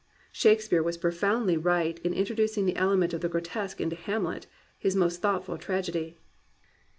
Shakespeare was profoundly right in in troducing the element of the grotesque into Hamlety his most thoughtful tragedy.